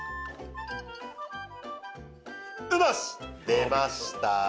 出ました。